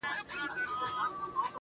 • ته لږه ایسته سه چي ما وویني_